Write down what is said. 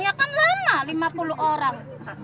ya kan lama lima puluh orang